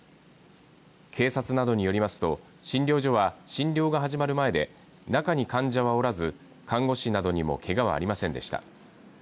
警察などによりますと診療所は診療が始まる前で中に患者がおらず看護師などにもけがはありませんでした。